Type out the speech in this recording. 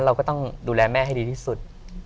เราก็ต้องดูแลแม่ให้ดีที่สุด